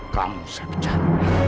kamu saya pecat